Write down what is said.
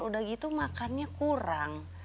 udah gitu makannya kurang